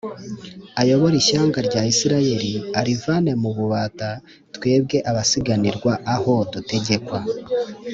ayobore ishyanga rya isirayeli arivane mu bubata twebwe abasiganirwa aho dutegekwa,